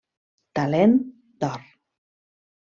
Talent d'or.